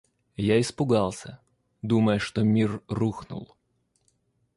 Я испугался, думая, что мир рухнул.